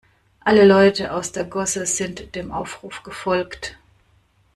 Alle Leute aus der Gosse sind dem Aufruf gefolgt.